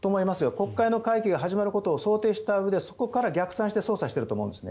国会の会期が始まることを想定したうえでそこから逆算して捜査していると思うんですね。